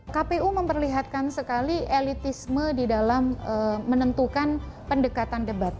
kpu memperlihatkan sekali elitisme di dalam menentukan pendekatan debat